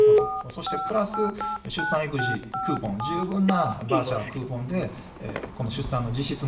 そしてプラス出産育児クーポン、十分なバウチャー、クーポンでこの出産の実質無償化を図る。